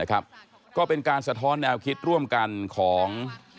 ก็เป็นการสะท้อนแนวคิดร่วมกันของ